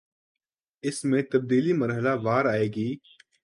اس میں تبدیلی مرحلہ وار آئے گی